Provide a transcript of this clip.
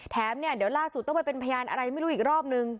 แถมเนี่ยเดี๋ยวล่าสุดต้องไปเป็นพยานอะไรไม่รู้อีกรอบนึง